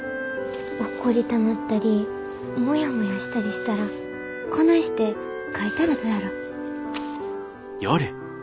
怒りたなったりモヤモヤしたりしたらこないして書いたらどやろ？